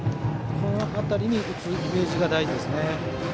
その辺りに打つイメージが大事です。